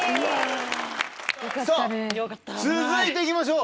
さぁ続いて行きましょう。